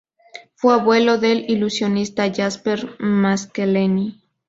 Fue abuelo del ilusionista Jasper Maskelyne.